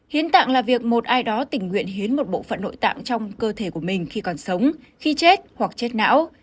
hiến tạng là việc một ai đó tình nguyện hiến một bộ phận nội tạng trong cơ thể của mình khi còn sống khi chết hoặc chết não